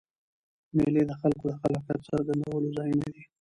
مېلې د خلکو د خلاقیت څرګندولو ځایونه دي.